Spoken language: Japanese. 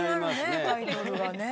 タイトルがね。